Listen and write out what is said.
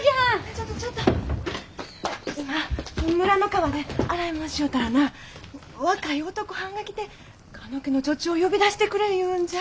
ちょっとちょっと今村の川で洗いもんしよったらな若い男はんが来て加納家の女中を呼び出してくれ言うんじゃ。